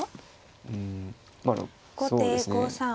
うんそうですね